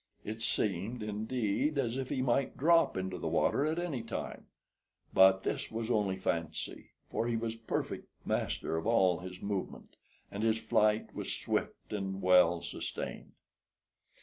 It seemed, indeed, as if he might drop into the water at any time; but this was only fancy, for he was perfect master of all his movement and his flight was swift and well sustained.